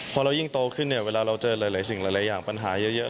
พอเรายิ่งโตขึ้นเนี่ยเวลาเราเจอหลายสิ่งหลายอย่างปัญหาเยอะ